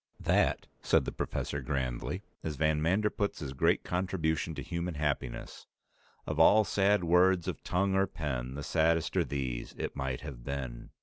"That," said the professor grandly, "is van Manderpootz's great contribution to human happiness. 'Of all sad words of tongue or pen, the saddest are these: It might have been!'